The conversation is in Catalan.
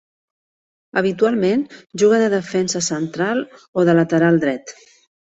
Habitualment juga de defensa central o de lateral dret.